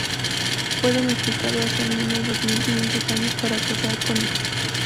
Fue domesticado hace al menos dos mil quinientos años para cazar conejos.